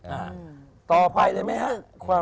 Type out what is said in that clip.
อ่าต่อไปเลยไหมฮะ